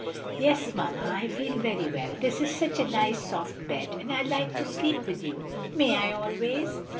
"Yes, mamma, I feel very well. This is such a nice soft bed, and I like to sleep with you. May I always?"